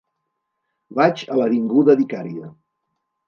Vaig a l'avinguda d'Icària.